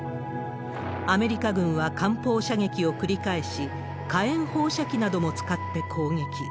アメリカ軍は艦砲射撃を繰り返し、火炎放射器なども使って攻撃。